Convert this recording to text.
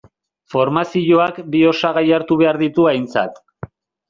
Formazioak bi osagai hartu behar ditu aintzat.